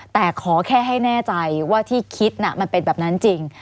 แต่ขอแค่ให้แน่ใจว่าที่คิดมันเป็นแบบนั้นจริง